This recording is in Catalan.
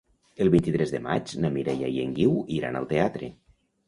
El vint-i-tres de maig na Mireia i en Guiu iran al teatre.